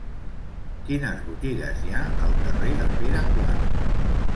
Quines botigues hi ha al carrer de Pere IV?